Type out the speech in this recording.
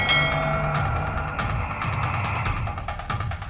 sebelum mau jannser